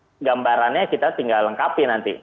tapi gambarannya kita tinggal lengkapi nanti